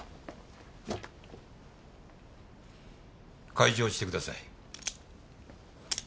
解錠してください。